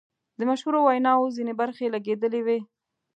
د مشهورو ویناوو ځینې برخې لګیدلې وې.